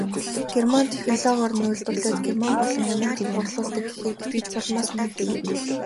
Герман технологиор нь үйлдвэрлээд Герман болон Америкт борлуулдаг гэхээр итгэж болмоор санагдлаа.